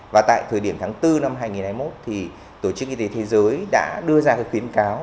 và tại thời điểm tháng bốn năm hai nghìn hai mươi một tổ chức y tế thế giới đã đưa ra khuyến cáo